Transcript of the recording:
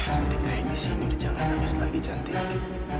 cantik ayan disini jangan nangis lagi cantik